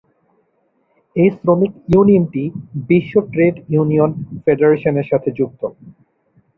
এই শ্রমিক ইউনিয়নটি বিশ্ব ট্রেড ইউনিয়ন ফেডারেশন-এর সাথে যুক্ত।